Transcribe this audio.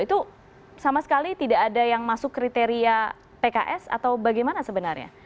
itu sama sekali tidak ada yang masuk kriteria pks atau bagaimana sebenarnya